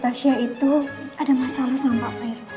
tasya itu ada masalah sama pak fero